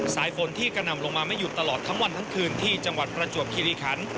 สายฝนที่กระหน่ำลงมาไม่หยุดตลอดทั้งวันทั้งคืนที่จังหวัดประจวบคิริคัน